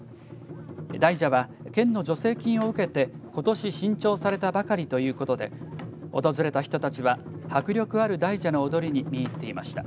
大蛇は県の助成金を受けてことし新調されたばかりということで訪れた人たちは迫力ある大蛇の踊りに見入っていました。